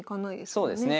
そうですね。